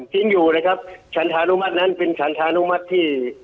ทิ้งอยู่นะครับฉันธานุมัตินั้นเป็นฉันธานุมัติที่